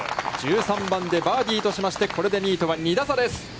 １３番でバーディーとしまして、これで２位とは２打差です。